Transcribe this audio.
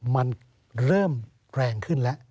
มันเริ่มแรงขึ้นแล้ว